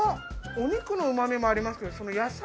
お肉のうま味もありますけど。